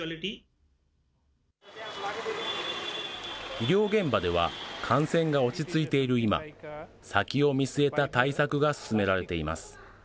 医療現場では、感染が落ち着いている今、先を見据えた対策が進められています。